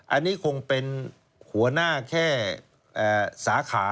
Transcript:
อันนี้คงเป็นหัวหน้าแค่สาขา